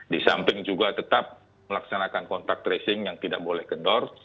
di samping juga tetap melaksanakan kontak tracing yang tidak boleh kendor